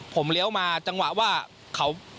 ผมเลี้ยวมาจังหวะว่าเขา